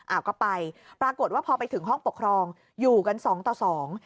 อ่าก็ไปปรากฏว่าพอไปถึงห้องปกครองอยู่กันสองต่อสอง